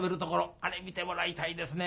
あれ見てもらいたいですね。